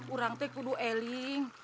orang teh kudu eling